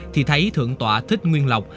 thì thấy thượng tọa thích nguyên lộc